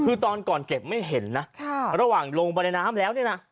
คือตอนก่อนเก็บไม่เห็นนะระหว่างลงไปในน้ำแล้วเนี่ยนะ